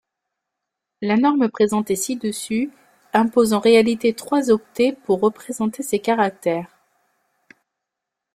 La norme présentée ci-dessus impose en réalité trois octets pour représenter ces caractères.